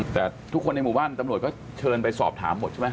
แต่ทุกคนในหมู่บ้านตำรวจก็เชิญไปสอบถามหมดใช่ไหม